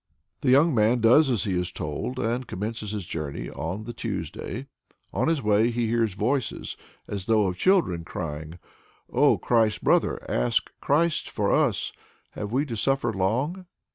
The young man does as he is told, and commences his journey on the Tuesday. On his way he hears voices, as though of children, crying, "O Christ's brother, ask Christ for us have we to suffer long?"